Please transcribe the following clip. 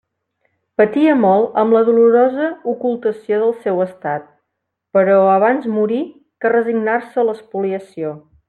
Patia molt amb la dolorosa ocultació del seu estat; però abans morir que resignar-se a l'espoliació.